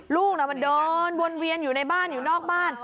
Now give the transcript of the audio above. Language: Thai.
ลูกน่ะมันเดินวนเวียนอยู่ในบ้านอยู่นอกบ้าน